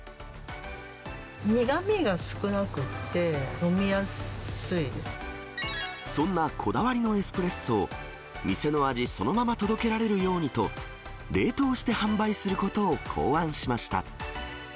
苦みが少なくって、飲みやすそんなこだわりのエスプレッソを、店の味そのまま届けられるようにと、冷凍して販売することを考案しました。